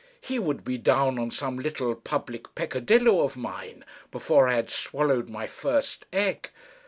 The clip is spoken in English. He would be down on some little public peccadillo of mine before I had swallowed my first egg.